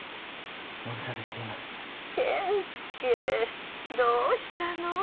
☎健助どうしたの？